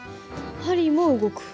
針も動く。